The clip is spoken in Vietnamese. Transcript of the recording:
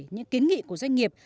những kiến nghị của doanh nghiệp